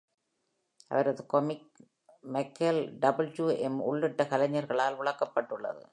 அவரது comics Michael W M உள்ளிட்ட கலைஞர்களால் விளக்கப்பட்டுள்ளது.